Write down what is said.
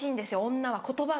女は言葉が。